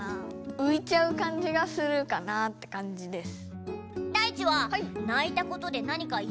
ういちゃうかんじがするかなってかんじです。